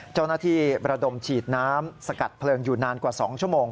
เจ้าหน้าที่ระดมฉีดน้ำสกัดเพลิงอยู่นานกว่า๒ชั่วโมง